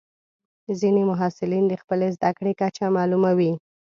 ځینې محصلین د خپلې زده کړې کچه معلوموي.